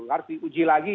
harus diuji lagi